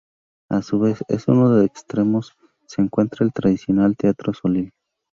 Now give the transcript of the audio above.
A su vez, en uno de sus extremos se encuentra el tradicional Teatro Solís.